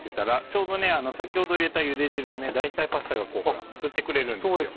ちょうど先ほど入れたゆで汁を大体パスタがこう吸ってくれるんですよ。